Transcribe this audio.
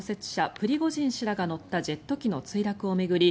プリゴジン氏らが乗ったジェット機の墜落を巡り